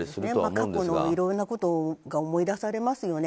過去のいろいろなことが思い出されますよね。